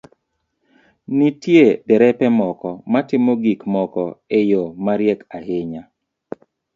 Nitie derepe moko matimo gik moko e yo mariek ahinya,